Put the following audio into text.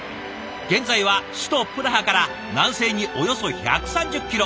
現在は首都プラハから南西におよそ１３０キロ。